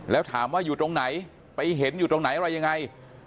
แล้วถามว่าอยู่ตรงไหนไปเห็นอยู่ตรงไหนอะไรยังไง